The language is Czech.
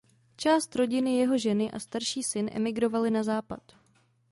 Část rodiny jeho ženy a starší syn emigrovali na Západ.